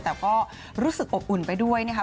แต่ก็รู้สึกอบอุ่นไปด้วยนะครับ